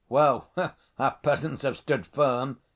"Well, our peasants have stood firm."